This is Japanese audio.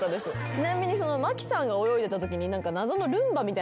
ちなみに麻貴さんが泳いでたときに。